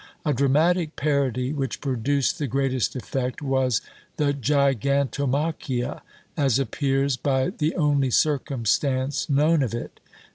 A dramatic parody, which produced the greatest effect, was "the Gigantomachia," as appears by the only circumstance known of it.